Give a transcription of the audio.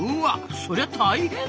そりゃ大変だ！